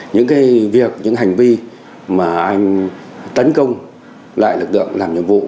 những việc những hành vi mà anh tấn công lại lực lượng làm nhiệm vụ